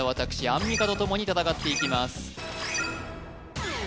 アンミカとともに戦っていきます